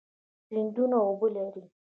سیندونه اوبه لري.